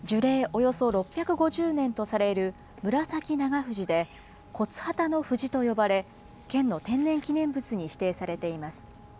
およそ６５０年とされるムラサキナガフジで、骨波田の藤と呼ばれ、県の天然記念物に指定されています。